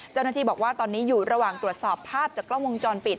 เจ้าหน้าที่บอกว่าตอนนี้อยู่ระหว่างตรวจสอบภาพจากกล้องวงจรปิด